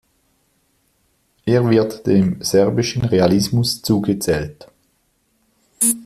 Er wird dem serbischen Realismus zugezählt.